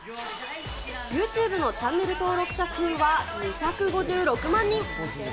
ユーチューブのチャンネル登録者数は２５６万人。